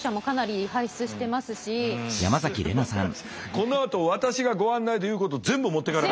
このあと私がご案内で言うこと全部持ってかれた。